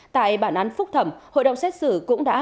tại bản án phúc thẩm hội đồng xét xử cũng đảm bảo